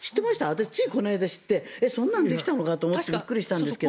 私、ついこの間知ってそんなのできたのかと思ってびっくりしたんですけど。